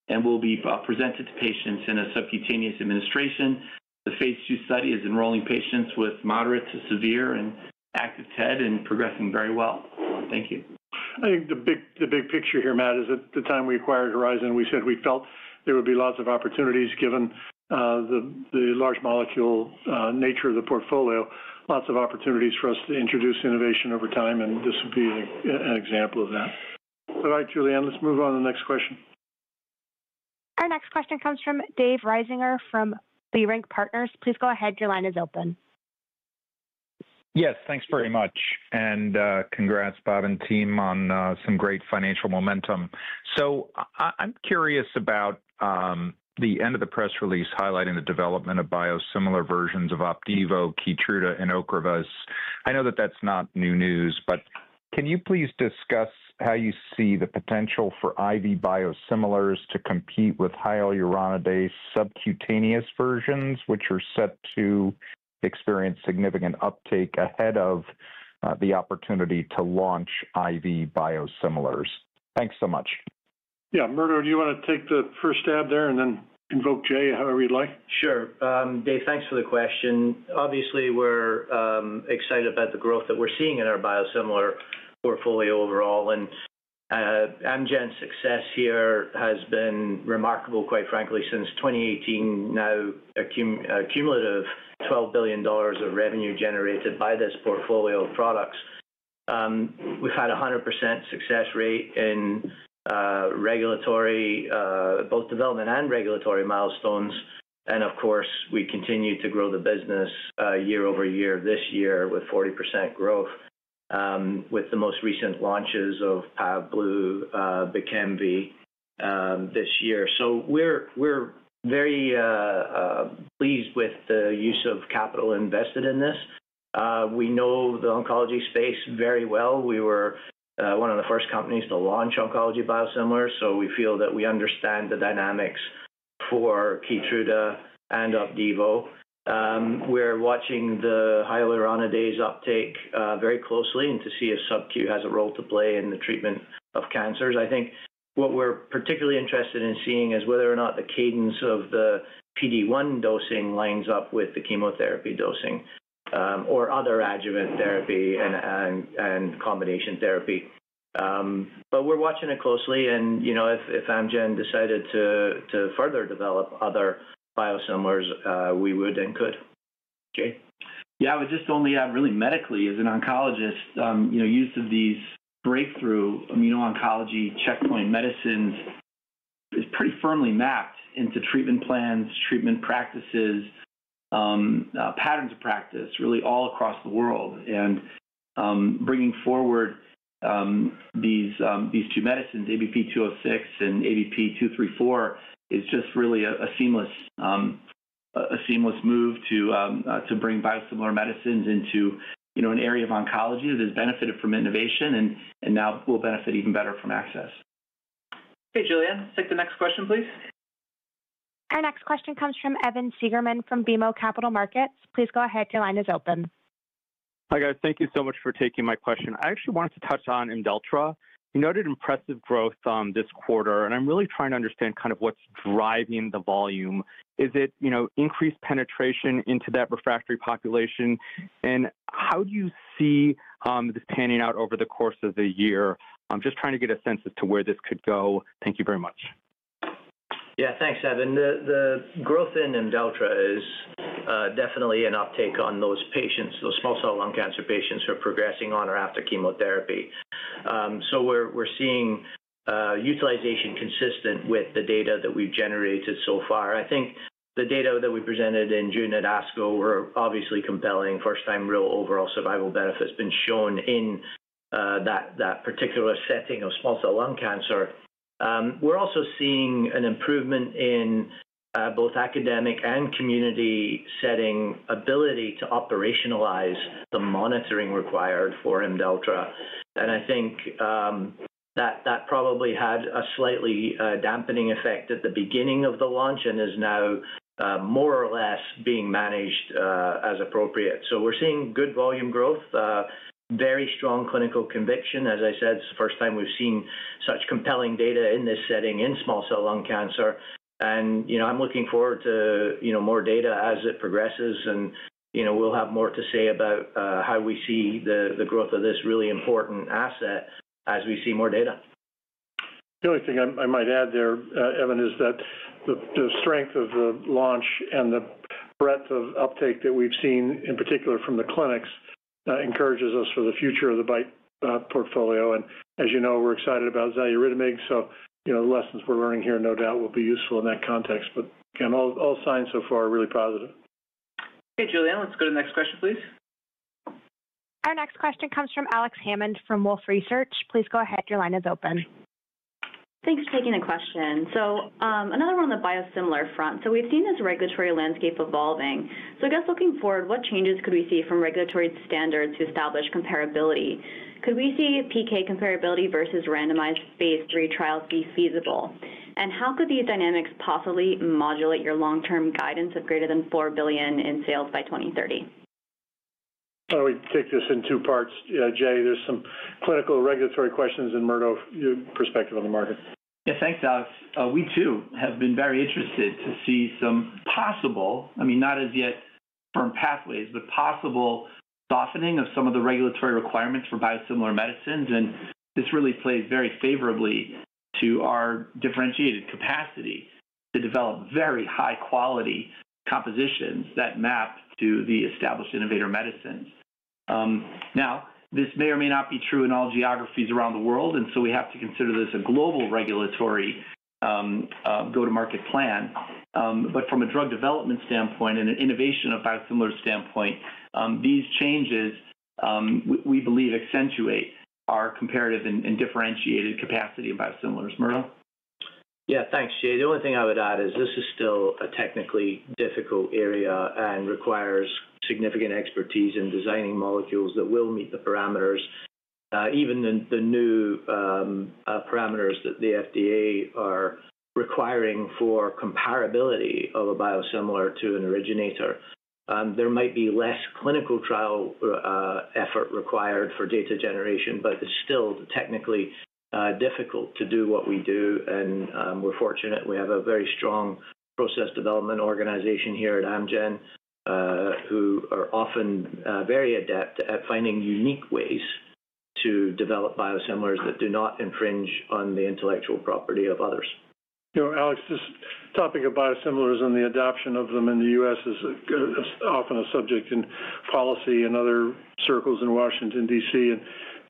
Speaker 5: and will be presented to patients in a subcutaneous administration. The Phase II study is enrolling patients with moderate to severe and active TED and progressing very well. Thank you.
Speaker 3: I think the big picture here, Matt, is at the time we acquired Horizon, we said we felt there would be lots of opportunities given the large molecule nature of the portfolio. Lots of opportunities for us to introduce innovation over time. This would be an example of that. All right, Julianne, let's move on to the next question.
Speaker 1: Our next question comes from Dave Risinger from Leerink Partners. Please go ahead. Your line is open.
Speaker 16: Yes, thanks very much and congrats, Bob and team, on some great financial momentum. I'm curious about the end of the press release highlighting the development of biosimilar versions of Opdivo, Keytruda, and Ocrevus. I know that's not new news, but can you please discuss how you see the potential for IV biosimilars to compete with hyaluronidase subcutaneous versions, which are set to experience significant uptake ahead of the opportunity to launch IV biosimilars. Thanks so much.
Speaker 3: Yeah. Murdo, do you want to take the first stab there and then invoke Jay however you'd like?
Speaker 4: Sure, Dave, thanks for the question. Obviously, we're excited about the growth that we're seeing in our biosimilar portfolio overall. Amgen success here has been remarkable, quite frankly, since 2018. Now, cumulative $12 billion of revenue generated by this portfolio of products, we've had 100% success rate in regulatory, both development and regulatory milestones. Of course, we continue to grow the business year-over-year. This year with 40% growth, with the most recent launches of biosimilars this year. We are very pleased with the use. Of capital invested in this. We know the oncology space very well. We were one of the first companies to launch oncology biosimilars. We feel that we understand the dynamics for Keytruda and Opdivo. We're watching the hyaluronidase uptake very closely to see if Subcute has a role to play in the treatment of cancers. I think what we're particularly interested in seeing is whether or not the cadence of the PD1 dosing lines up with the chemotherapy dosing or other adjuvant therapy and combination therapy. We're watching it closely, and if Amgen decided to further develop other biosimilars, we would and could. Jay?
Speaker 5: Yeah, I would just only really medically, as an oncologist. Use of these breakthrough immuno-oncology checkpoint medicines is pretty firmly mapped into treatment plans, treatment practices, patterns of practice, really all across the world. Bringing forward these two medicines, ABP 206 and ABP 234, is just really a seamless move to bring biosimilar medicines into an area of oncology that has benefited from innovation and now will benefit even better from access.
Speaker 2: Hey, Julianne, take the next question, please.
Speaker 1: Our next question comes from Evan Seigerman from BMO Capital Markets. Please go ahead. Your line is open.
Speaker 17: Hi guys. Thank you so much for taking my question. I actually wanted to touch on Imdeltra. You noted impressive growth this quarter. I'm really trying to understand what's driving the volume. Is it increased penetration into that refractory population, and how do you see it panning out over the course of the year? I'm just trying to get a sense as to where this could go. Thank you very much.
Speaker 4: Yeah, thanks, Evan. The growth in Imdeltra is definitely an uptake on those patients, those small cell lung cancer patients who are progressing on or after chemotherapy. We're seeing utilization consistent with the data that we've generated so far. I think the data that we presented in June at ASCO were obviously compelling. First time real overall survival benefit has been shown in that particular setting of small cell lung cancer. We're also seeing an improvement in both academic and community setting ability to operationalize the monitoring required for Imdeltra. I think that probably had a slightly dampening effect at the beginning of the launch and is now more or less being managed as appropriate. We're seeing good volume growth, very strong clinical conviction. As I said, it's the first time we've seen such compelling data in this setting in small cell lung cancer. I'm looking forward to more data as it progresses. We'll have more to say about how we see the growth of this really important asset as we see more data.
Speaker 3: The only thing I might add there, Evan, is that the strength of the launch and the breadth of uptake that we've seen in particular from the clinics encourages us for the future of the BITE portfolio. As you know, we're excited about Zeyluridamig. Lessons we're learning here no doubt will be useful in that context. Again, all signs so far are really positive.
Speaker 2: Okay, Julianne, let's go to the next question, please.
Speaker 1: Our next question comes from Alex Hammond from Wolf Research. Please go ahead, your line is open. Thanks for taking the question.
Speaker 18: We've seen this regulatory landscape evolving. I guess looking forward, what changes could we see from regulatory standards to establish comparability? Could we see PK comparability versus randomized Phase III trials be feasible? How could these dynamics possibly modulate your long-term guidance of greater than $4 billion in sales by 2030?
Speaker 3: Why don't we take this in two parts, Jay? There's some clinical regulatory questions and Murdo, your perspective on the market.
Speaker 5: Yeah, thanks Alex. We too have been very interested to see some possible, I mean not as yet, but possible softening of some of the regulatory requirements for biosimilar medicines. This really plays very favorably to our differentiated capacity to develop very high quality compositions that map to the established innovator medicines. This may or may not be true in all geographies around the world. We have to consider this a global regulatory go to market plan. From a drug development standpoint and an innovation of biosimilar standpoint, these changes we believe accentuate our comparative and differentiated capacity in biosimilars. Murdo?
Speaker 4: Yeah, thanks Jay. The only thing I would add is this is still a technically difficult area and requires significant expertise in designing molecules that will meet the parameters, even the new parameters that the FDA are requiring for comparability of a biosimilar to an originator. There might be less clinical trial effort required for data generation, but it's still technically difficult to do what we do. We're fortunate we have a very strong process development organization here at Amgen, who are often very adept at finding unique ways to develop biosimilars that do not infringe on the intellectual property of others.
Speaker 3: Alex, this topic of biosimilars and the adoption of them in the U.S. is often a subject in policy and other circles in Washington, D.C., and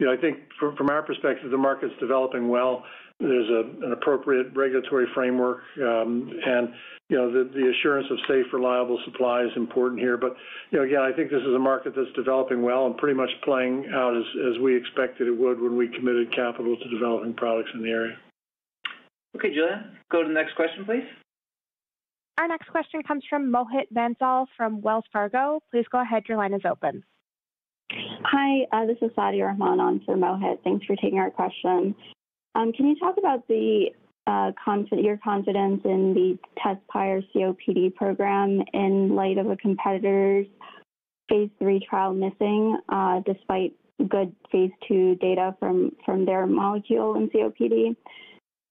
Speaker 3: I think from our perspective the market's developing well. There's an appropriate regulatory framework, and the assurance of safe, reliable supply is important here. I think this is a market that's developing well and pretty much playing out as we expected it would when we committed capital to developing products in the area.
Speaker 2: Okay, Julianne, go to the next question, please.
Speaker 1: Our next question comes from Mohit Bansal from Wells Fargo. Please go ahead. Your line is open.
Speaker 19: Hi, this is Sadia Rahman on for Mohit. Thanks for taking our question. Can you talk about your confidence in the test prior COPD program in light of a competitor's Phase III trial missing despite good Phase 2 data from their molecule in COPD?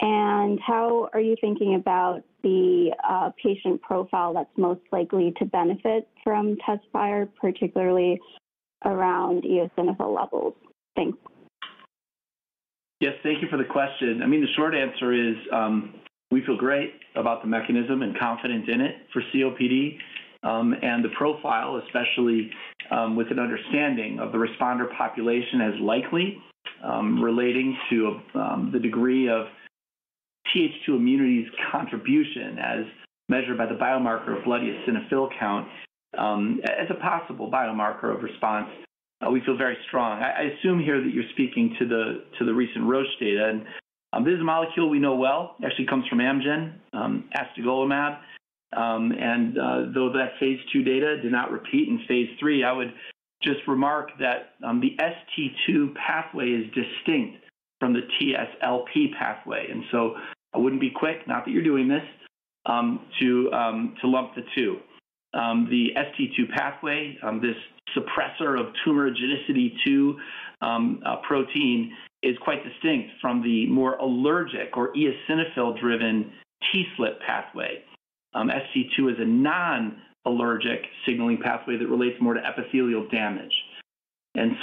Speaker 19: How are you thinking about the. Patient profile that's most likely to benefit. From testfire, particularly around eosinophil levels? Thanks.
Speaker 5: Yes, thank you for the question. The short answer is we feel great about the mechanism and confident in it for COPD and the profile, especially with an understanding of the responder population as likely relating to the degree of TH2 immunity's contribution as measured by the biomarker of blood eosinophil count as a possible biomarker of response. We feel very strong. I assume here that you're speaking to the recent Roche data and this is a molecule we know well, actually comes from Amgen, Astegolimab, and though that phase II data did not repeat in Phase III, I would just remark that the ST2 pathway is distinct from the TSLP pathway, and I wouldn't be quick, not that you're doing this, to lump the two. The ST2 pathway, this suppressor of tumorigenicity 2 protein, is quite distinct from the more allergic or eosinophil-driven TSLP pathway. ST2 is a non-allergic signaling pathway that relates more to epithelial damage.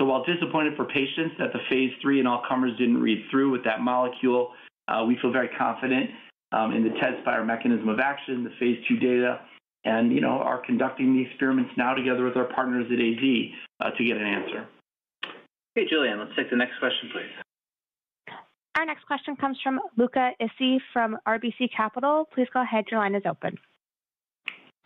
Speaker 5: While disappointed for patients that the Phase III in all comers didn't read through with that molecule, we feel very confident in the test-fire mechanism of action, the phase II data, and are conducting the experiments now together with our partners at AG to get an answer.
Speaker 2: Hey Julianne, let's take the next question, please.
Speaker 1: Our next question comes from Luca Issi from RBC Capital. Please go ahead. Your line is open.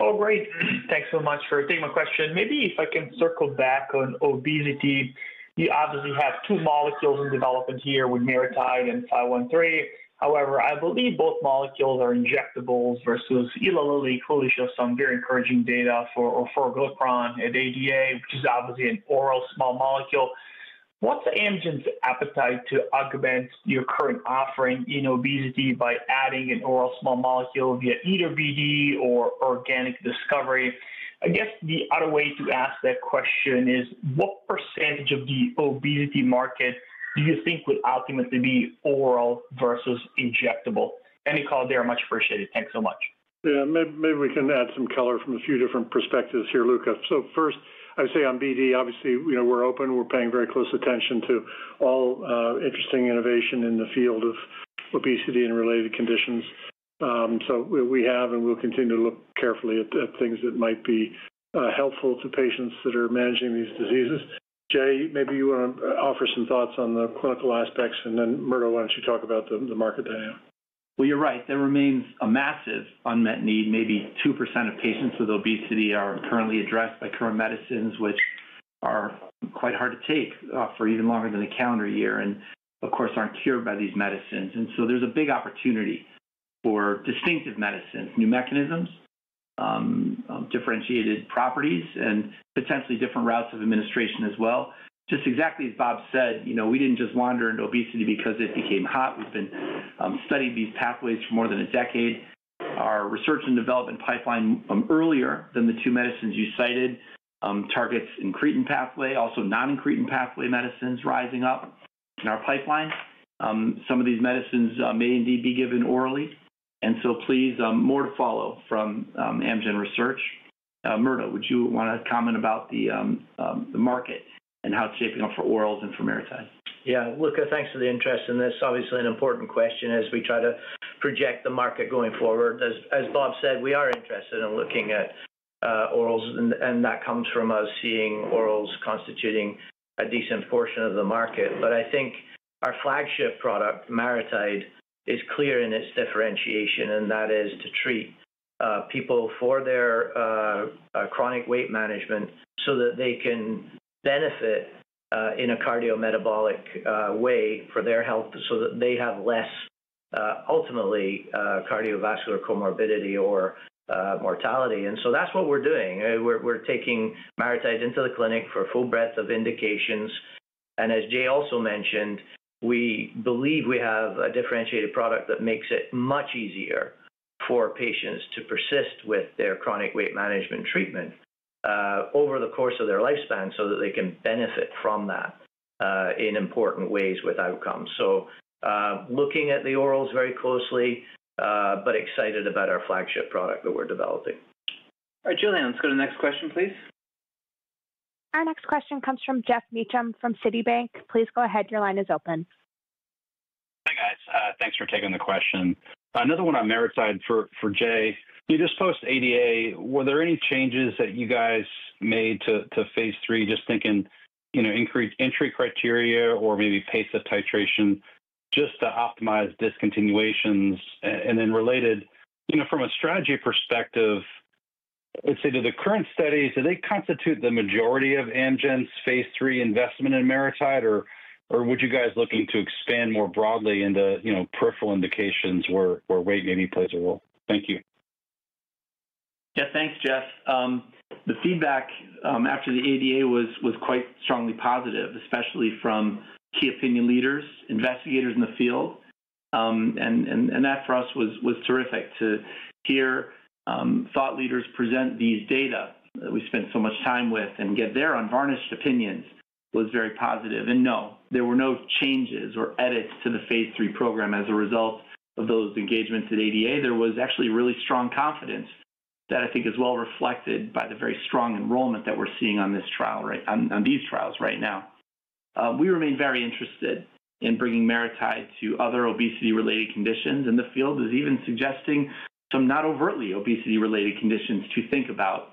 Speaker 20: Oh great. Thanks so much for taking my question. Maybe if I can circle back on obesity, you obviously have two molecules in development here with MariTide and 513. However, I believe both molecules are injectables versus Eli Lily. Cool, just some very encouraging data for glucagon at ADA, which is obviously an oral small molecule. What's Amgen's appetite to augment your current offering in obesity by adding an oral small molecule via either BD or organic discovery? I guess the other way to ask that question is, what percentage of the obesity market do you think would ultimately be oral versus injectable? Any call there, much appreciated. Thanks so much.
Speaker 3: Yeah, maybe we can add some color from a few different perspectives here, Luca. First, I would say on BD, obviously, you know, we're open, we're paying very close attention to all interesting innovation in the field of obesity and related conditions. We have, and we'll continue to look carefully at things that might be helpful to patients that are managing these diseases. Jay, maybe you want to offer some thoughts on the clinical aspects and then, Murdo, why don't you talk about the market?
Speaker 4: You're right. There remains a massive unmet need. Maybe 2% of patients with obesity are currently addressed by current medicines, which are quite hard to take for even longer than the calendar year, and of course aren't cured by these medicines. There is a big opportunity for distinctive medicines, new mechanisms, systems, differentiated properties, and potentially different routes of administration as well. Just exactly as Bob said, you know, we didn't just wander into obesity because it became hot. We've been studying these pathways for more than a decade. Our research and development pipeline, earlier than the two medicines you cited, targets incretin pathway, also non-incretin pathway medicines rising up in our pipeline. Some of these medicines may indeed be given orally. Please, more to follow from Amgen Research. Murdo, would you want to comment about the market and how it's shaping up for orals and for MariTide. Yeah, thanks for the interest in this. Obviously, an important question as we try to project the market going forward. As Bob said, we are interested in looking at orals, and that comes from us seeing orals constituting a decent portion of the market. I think our flagship product, MariTide, is clear in its differentiation, and that is to treat people for their chronic weight management so that they can benefit in a cardiometabolic way for their health, so that they have less ultimately cardiovascular comorbidity or mortality. That's what we're doing. We're taking MariTide into the clinic for full breadth of indications. As Jay also mentioned, we believe we have a differentiated product that makes it much easier for patients to persist with their chronic weight management treatment over the course of their lifespan so that they can benefit from that in important ways with outcomes. Looking at the orals very closely, but excited about our flagship product that we're developing.
Speaker 5: All right, Julianne, let's go to the next question, please.
Speaker 1: Our next question comes from Geoff Meacham from Citibank. Please go ahead. Your line is open.
Speaker 21: Hi guys, thanks for taking the question. Another one on MariTide for Jay. You just post, ADA. Were there any changes that you guys made to Phase III? Just thinking, you know, increased entry criteria or maybe pace of titration just to optimize discontinuations and then related, you know, from a strategy perspective, let's say to the current study, do they constitute the majority of Amgen's Phase III investment in MariTide or would you guys looking to expand more broadly into peripheral indications where WAVY plays a role? Thank you. Yeah, thanks, Jeff. The feedback after the ADA was quite strongly positive, especially from key opinion leaders, investigators in the field. That for us was terrific to hear thought leaders present these data that we spent so much time with and get their unvarnished opinions was very positive. No, there were no changes or edits to the Phase III program as a result of those engagements at ADA.
Speaker 5: There was actually really strong confidence that I think is well reflected by the very strong enrollment that we're seeing on this trial on these trials right now. We remain very interested in bringing MariTide to other obesity related conditions. The field is even suggesting some not overtly obesity related conditions to think about.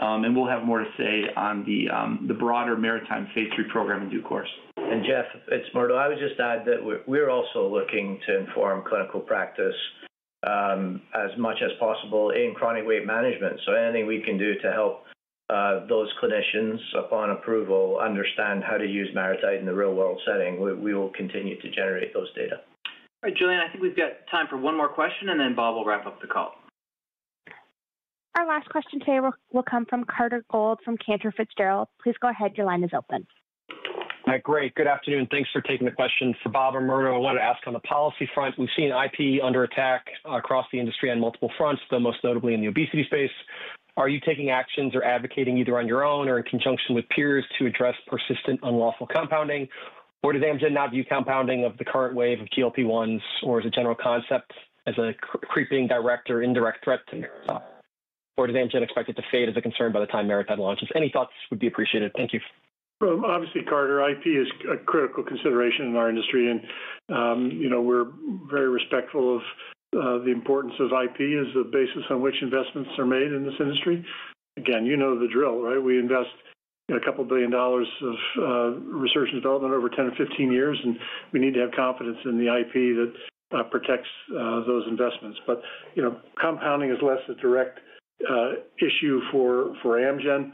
Speaker 5: We'll have more to say on the broader MariTide Phase III program in due course.
Speaker 4: Jeff, it's Murdo. I would just add that we're also looking to inform clinical practice as much as possible in chronic weight management. Anything we can do to help those clinicians upon approval understand how to use MariTide in the real world setting, we will continue to generate those data.
Speaker 5: All right, Julianne, I think we've got time for one more question, and then Bob will wrap up the call.
Speaker 1: Our last question today will come from Carter Gould from Cantor Fitzgerald. Please go ahead. Your line is open.
Speaker 22: Great. Good afternoon. Thanks for taking the question for Bob or Murdo. I wanted to ask, on the policy front, we've seen intellectual property under attack across the industry on multiple fronts, but most notably in the obesity space. Are you taking actions or advocating either on your own or in conjunction with peers to address persistent unlawful compounding? Does Amgen not view compounding of the current wave of GLP-1s, or as a general concept, as a creeping direct or indirect threat to nuclear? Does Amgen expect it to fade as a concern by the time MariTide launches? Any thoughts would be appreciated. Thank you.
Speaker 3: Obviously, Carter, IP is a critical consideration in our industry and you know, we're very respectful of the importance of IP as the basis on which investments are made in this industry. Again, you know the drill, right? We invest a couple billion dollars of research and development over 10 or 15 years, and we need to have confidence in the IP that protects those investments. Compounding is less a direct issue for Amgen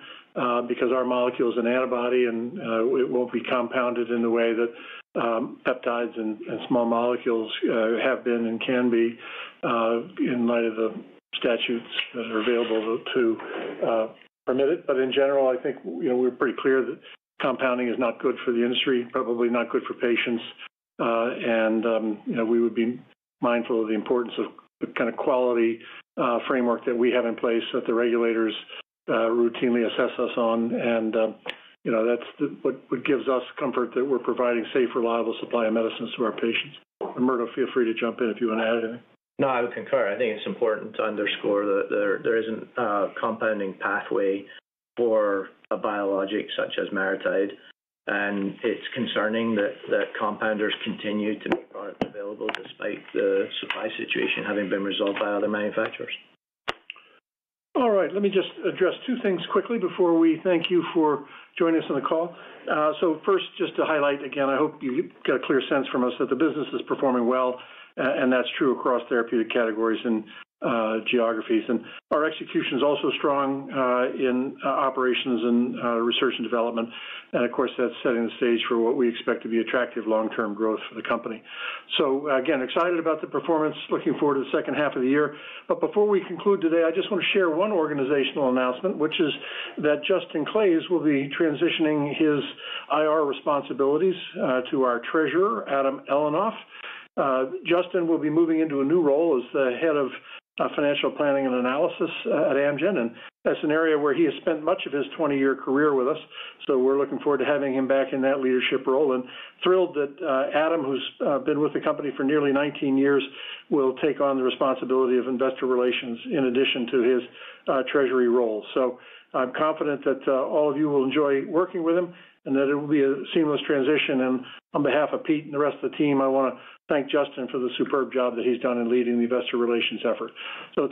Speaker 3: because our molecule is an antibody, and it won't be compounded in the way that peptides and small molecules have been and can be in light of the statutes that are available to permit it. In general, I think, you know, we're pretty clear that compounding is not good for the industry, probably not good for patients. You know, we would be mindful of the importance of the kind of quality framework that we have in place that the regulators routinely assess us on. That's what gives us comfort that we're providing safe, reliable supply of medicines to our patients. Murdo, feel free to jump in if you want to add anything.
Speaker 4: No, I would concur. I think it's important to underscore that there isn't a compounding pathway for a biologic such as MariTide. It's concerning that compounders continue to make products available despite the supply situation having been resolved by other manufacturers.
Speaker 3: All right, let me just address two things quickly before we thank you for joining us on the call. First, just to highlight again, I hope you got a clear sense from us that the business is performing well and that's true across therapeutic categories and geographies. Our execution is also strong in operations and Research and Development. Of course, that's setting the stage for what we expect to be attractive long term growth for the company. Again, excited about the performance, looking forward to the second half of the year. Before we conclude today, I just want to share one organizational announcement, which is that Justin Claeys will be transitioning his Investor Relations responsibilities to our Treasurer, Adam Eleanoroff. Justin will be moving into a new role as the Head of Financial Planning and Analysis at Amgen, and that's an area where he has spent much of his 20 year career with us. We're looking forward to having him back in that leadership role and thrilled that Adam, who's been with the company for nearly 19 years, will take on the responsibility of Investor Relations in addition to his Treasury role. I'm confident that all of you will enjoy working with him and that it will be a seamless transition. On behalf of Pete and the rest of the team, I want to thank Justin for the superb job that he's done in leading the Investor Relations effort.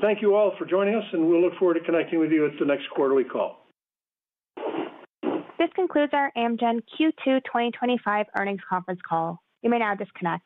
Speaker 3: Thank you all for joining us, and we'll look forward to connecting with you at the next quarterly call.
Speaker 1: This concludes our Amgen Q2 2025 earnings conference call. You may now disconnect.